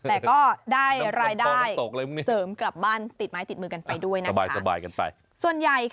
แต่ก็ได้รายได้เสริมกลับบ้านติดไม้ติดมือกันไปด้วยนะครับสบายกันไป